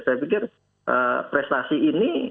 saya pikir prestasi ini